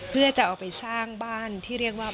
เพื่อจะเอาไปสร้างบ้านที่เรียกว่า